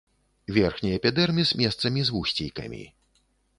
Верхні эпідэрміс месцамі з вусцейкамі.